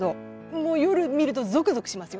もう夜見るとゾクゾクしますよ。